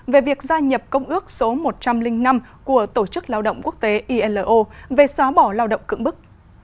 về việc gia nhập công ước số một trăm linh năm của tổ chức lao động quốc tế ilo về xóa bỏ lao động cưỡng bức